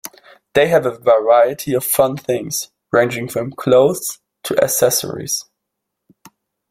They have a variety of fun things, ranging from clothes to accessories.